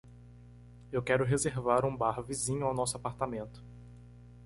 Eu quero reservar um bar vizinho ao nosso apartamento.